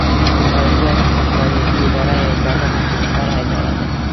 د پنجاب استخباراتې اداره يوه ظالمه خونښواره اداره ده